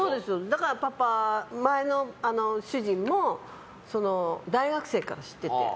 だから前の主人も大学生から知ってて。